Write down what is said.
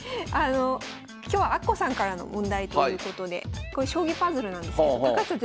今日はあっこさんからの問題ということでこれ将棋パズルなんですけど高橋さん